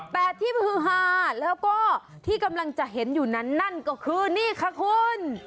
แต่ที่ฮือฮาแล้วก็ที่กำลังจะเห็นอยู่นั้นนั่นก็คือนี่ค่ะคุณ